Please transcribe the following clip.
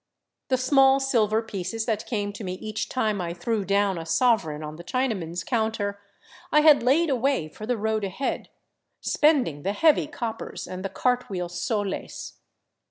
The small silver pieces that came to me each time I threw down a sovereign on the Chinaman's counter, I had laid away for the road ahead, spending the heavy coppers and the cartwheel soles.